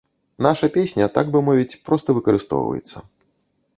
Наша песня, так бы мовіць, проста выкарыстоўваецца.